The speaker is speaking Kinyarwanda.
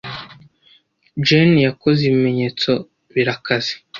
Jane yakoze ibimenyetso birakaze.